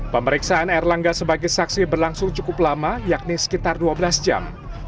pemeriksaan erlangga sebagai saksi berlangsung cukup lama yakni sekitar dua belas jam